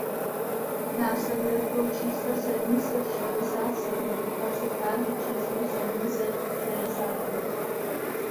Následuje po čísle sedm set šedesát sedm a předchází číslu sedm set šedesát devět.